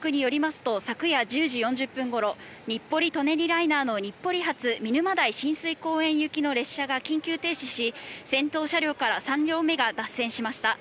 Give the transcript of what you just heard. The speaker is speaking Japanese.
東京都交通局によりますと昨夜１０時４０分頃、日暮里・舎人ライナーの日暮里発、見沼代親水公園行きの列車が緊急停止し、先頭車両から３両目が脱線しました。